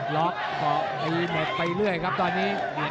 ล็อคก็ไปเรื่อยครับตอนนี้